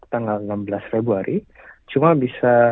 tanggal enam belas februari cuma bisa